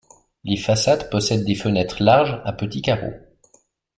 Les façades possèdent des fenêtres larges à petits carreaux.